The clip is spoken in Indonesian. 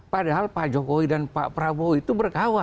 padahal pak jokowi dan pak prabowo itu berkawal